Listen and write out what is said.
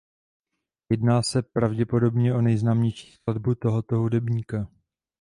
Jedná se pravděpodobně o nejznámější skladbu tohoto hudebníka.